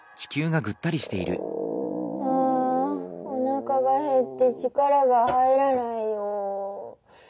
あおなかがへって力が入らないよ。